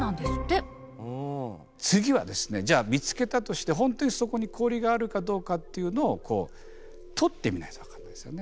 次はですねじゃあ見つけたとして本当にそこに氷があるかどうかっていうのを採ってみないと分からないですよね。